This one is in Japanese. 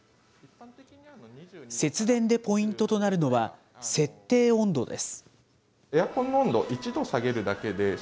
節電でポイントとなるのは、設定温度です。